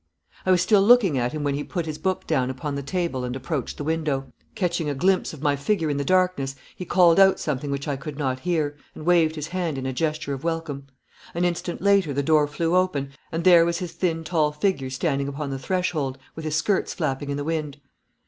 I was still looking at him when he put his book down upon the table and approached the window. Catching a glimpse of my figure in the darkness he called out something which I could not hear, and waved his hand in a gesture of welcome. An instant later the door flew open, and there was his thin tall figure standing upon the threshold, with his skirts flapping in the wind.